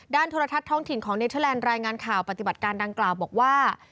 โทรทัศน์ท้องถิ่นของเนเทอร์แลนด์รายงานข่าวปฏิบัติการดังกล่าวบอกว่า